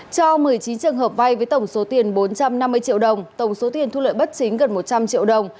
cho một mươi chín trường hợp vai với tổng số tiền bốn trăm năm mươi triệu đồng tổng số tiền thu lợi bất chính gần một trăm linh triệu đồng